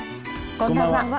こんばんは。